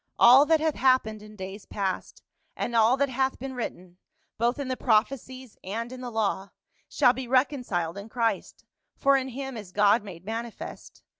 All that hath happened in days past, and all that hath been written, both in the prophecies and in the law, shall be reconciled in Christ, for in him is God made mani fest.